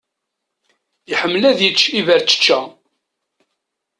Iḥemmel ad yečč iberčečča.